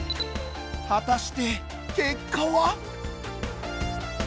果たして結果は？